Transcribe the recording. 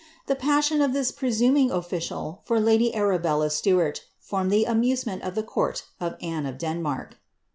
The passion of this presuming official for lady Arabella Stuart, formed the amusement of the court of Anne of Denmark.